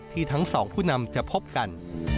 ทั้งสองผู้นำจะพบกัน